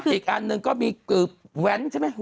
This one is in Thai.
อีกอันหนึ่งก็มีแว้น